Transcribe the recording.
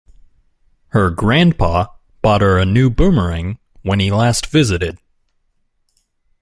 Her grandpa bought her a new boomerang when he last visited.